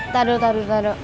taduh taduh taduh